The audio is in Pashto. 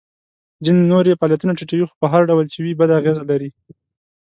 ځینې نور یې فعالیتونه ټیټوي خو په هر ډول چې وي بده اغیزه لري.